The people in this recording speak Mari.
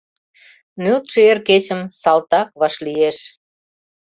Нӧлтшӧ эр кечым салтак вашлиеш.